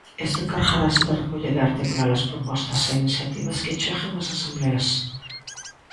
Este encargarase de recoller e articular as propostas e iniciativas que acheguen as asembleas.